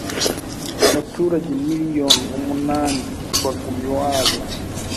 abaturage miliyoni umunani baguma iwabo